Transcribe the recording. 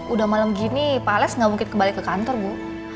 udah malem gini pak alex ga mungkin kebalik ke kantor bu